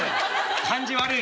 感じ悪い。